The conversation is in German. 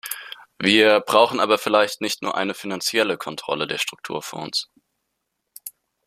Wir brauchen aber vielleicht nicht nur eine finanzielle Kontrolle der Strukturfonds.